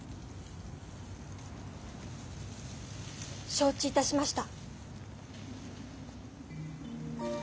承知いたしました。